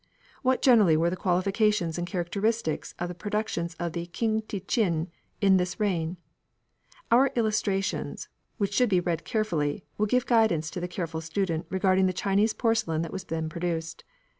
What generally were the qualifications and characteristics of the productions of King te chin in this reign? Our illustrations, which should be read carefully, will give guidance to the careful student regarding the Chinese porcelain that was then produced.